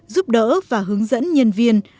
giúp đỡ và hướng dẫn nhân viên